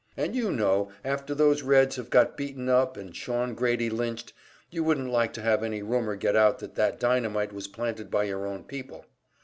And you know after those Reds have got beaten up and Shawn Grady lynched, you wouldn't like to have any rumor get out that that dynamite was planted by your own people.